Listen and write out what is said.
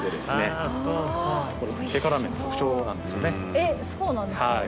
えっそうなんですか。